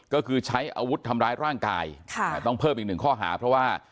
ก็คือใช้อาวุธทำร้ายร่างกายต้องเพิ่มอีกหนึ่งข้อหาเพราะว่า